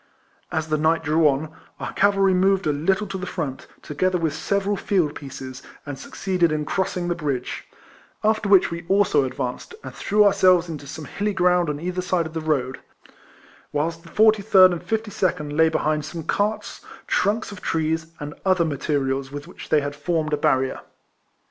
As the night drew on, our cavalry moved a little to the front, together with several field pieces, and succeeded in crossing the bridge ; after which we also advanced, and threw ourselves into some hilly ground on either side the road ; whilst the 43rd and 52nd lay behind I 2 172 RECOLLECTIONS OF some carts, trunks of trees, and other mate rials with which they had formed a barrier.